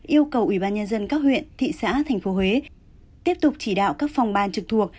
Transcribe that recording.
yêu cầu ủy ban nhân dân các huyện thị xã thành phố huế tiếp tục chỉ đạo các phòng ban trực thuộc